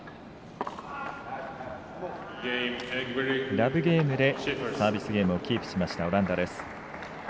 ラブゲームでサービスゲームをキープオランダです。